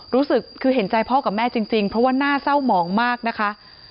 รู้สึกคือเห็นใจพ่อกับแม่จริงเพราะว่าน่าเศร้าหมองมากนะคะ